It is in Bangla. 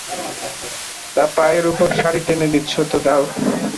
তা পায়ের উপর শাড়ি টেনে দিচ্ছ তো দাও।